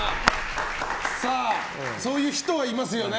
そういう人はいますよね。